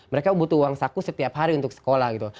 mereka butuh uang saku setiap hari untuk sekolah gitu